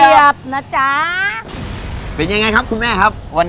ตามไปกินให้หมดบาง